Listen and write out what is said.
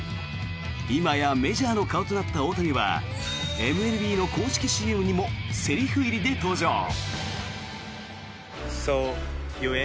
今やメジャーの顔となった大谷はＭＬＢの公式ＣＭにもセリフ入りで登場。